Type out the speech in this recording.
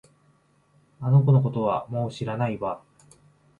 あの子のことはもう知らないわ